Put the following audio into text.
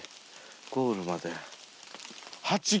ゴールまで。